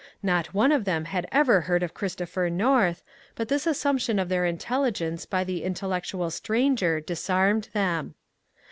Not one of them had ever heard of Christopher North, but this assumption of their intelligence by the intellectual stranger disarmed them.